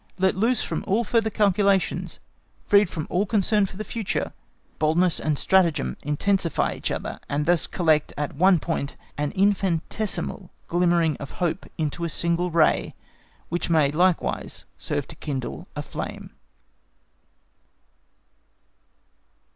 Let loose from all further calculations, freed from all concern for the future, boldness and stratagem intensify each other, and thus collect at one point an infinitesimal glimmering of hope into a single ray, which may likewise serve to kindle a flame.